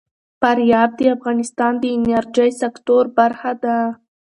فاریاب د افغانستان د انرژۍ سکتور برخه ده.